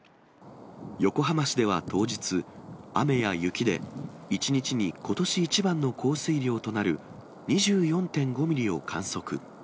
横浜市では当日、雨や雪で、１日にことし一番の降水量となる２４．５ミリを観測。